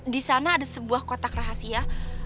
di sana ada sebuah kotak rahasia